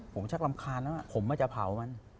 ผมชักรำคาญแล้วผมจะเผามัน